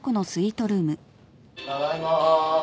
ただいま。